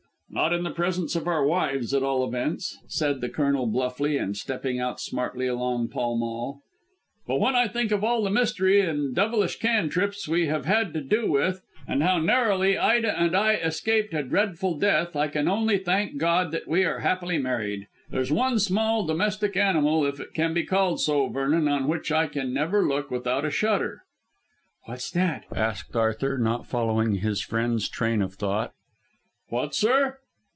"Not in the presence of our wives, at all events," said the Colonel bluffly, and stepping out smartly along Pall Mall. "But when I think of all the mystery and devilish cantrips we have had to do with, and how narrowly Ida and I escaped a dreadful death, I can only thank God that we are happily married. There's one small domestic animal, if it can be called so, Vernon, on which I can never look without a shudder." "What's that?" asked Sir Arthur, not following his friend's train of thought. "What, sir!